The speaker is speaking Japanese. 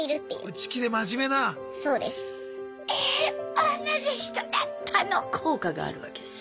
おんなじ人だったの効果があるわけですね。